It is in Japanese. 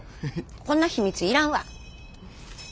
こんな秘密いらんわ。